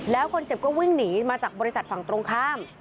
แล้วคนเจ็บก็วิ่งหนีมาจากบริษัทฝั่งตรงข้าม